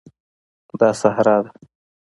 دا صحرا ده